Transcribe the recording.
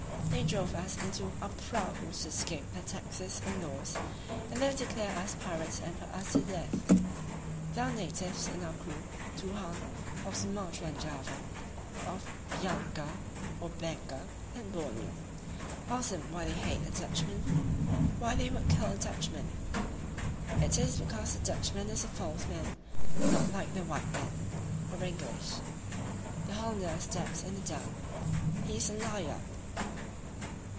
They drive us into our prahus to escape their taxes and laws, and then declare us pirates and put us to death. There are natives in our crew, Touhan, of Sumatra and Java, of Bianca [Banka] and Borneo; ask them why they hate the Dutchmen; why they would kill a Dutchman. It is because the Dutchman is a false man, not like the white man [English]. The Hollander stabs in the dark; he is a liar!"